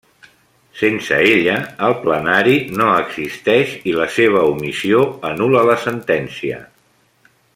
Sense ella, el plenari no existeix i la seva omissió anul·la la sentència.